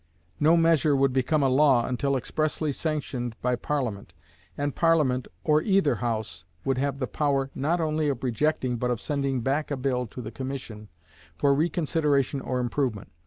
No measure would become a law until expressly sanctioned by Parliament; and Parliament, or either house, would have the power not only of rejecting but of sending back a bill to the commission for reconsideration or improvement.